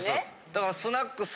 だから。